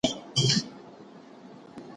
پښتو ته د خدمت په لاره کې تل سرلوړي اوسئ.